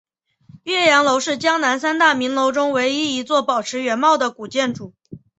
岳阳楼是江南三大名楼中唯一的一座保持原貌的古建筑。